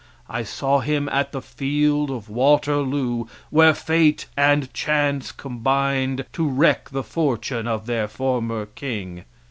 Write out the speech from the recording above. I saw him at the field of Waterloo, where fate and chance combined to wreck the fortune of their former king.